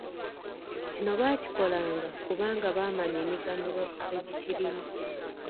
Kino baakikolanga kubanga baamanya emiganyulo egikirimu.